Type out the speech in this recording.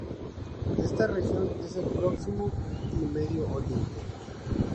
Esta región es el Próximo y Medio Oriente.